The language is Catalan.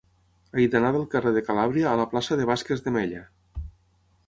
He d'anar del carrer de Calàbria a la plaça de Vázquez de Mella.